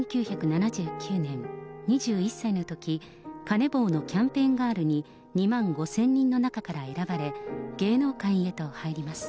１９７９年、２１歳のとき、カネボウのキャンペーンガールに、２万５０００人の中から選ばれ、芸能界へと入ります。